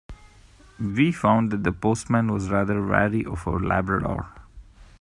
We found that the postman was rather wary of our labrador